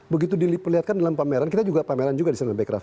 begitu diperlihatkan dalam pameran kita juga pameran juga di sana becraf